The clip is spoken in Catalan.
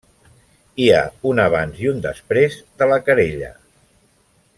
Hi ha un abans i un després de la querella.